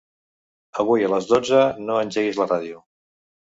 Avui a les dotze no engeguis la ràdio.